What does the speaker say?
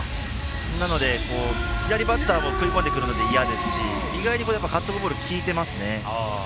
なので、左バッターも食い込んでくるので嫌ですし以外にカットボールきいてますね。